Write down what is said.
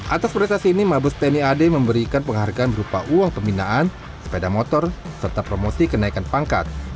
atas prestasi ini mabes tni ad memberikan penghargaan berupa uang pembinaan sepeda motor serta promosi kenaikan pangkat